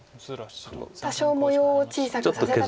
多少模様を小さくさせたかなと。